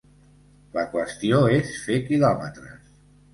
La qüestió és fer quilòmetres.